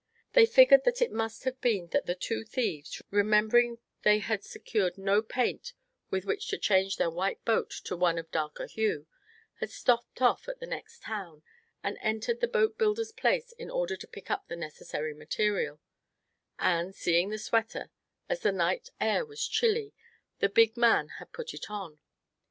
They figured that it must have been that the two thieves, remembering they had secured no paint with which to change their white boat to one of darker hue, had stopped off at the next town, and entered the boat builder's place in order to pick up the necessary material; and seeing the sweater, as the night air was chilly, the big man had put it on.